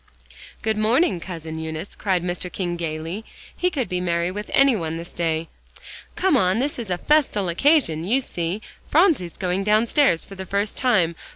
"Good morning, Cousin Eunice," cried Mr. King gaily. He could be merry with any one this day. "Come on, this is a festal occasion, you see; Phronsie's going downstairs for the first time.